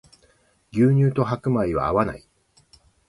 牛乳と白米は合わない